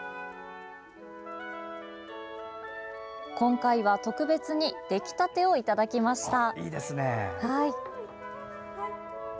今回は特別に出来たてをいただきました。